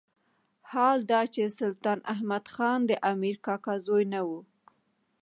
حال دا چې سلطان احمد خان د امیر کاکا زوی نه وو.